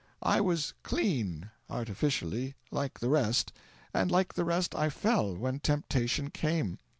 I was clean artificially like the rest; and like the rest I fell when temptation came.